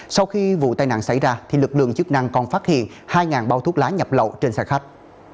sau khi vụ tai nạn xảy ra lực lượng chức năng còn phát hiện hai bao thuốc lá nhập lậu trên xe khách